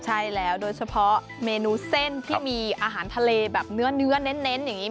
ใช่แล้วโดยเฉพาะเมนูเส้นที่มีอาหารทะเลแบบเนื้อเน้นอย่างนี้